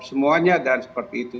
semuanya dan seperti itu